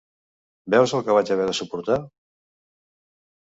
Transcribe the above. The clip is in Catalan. Veus el que vaig haver de suportar?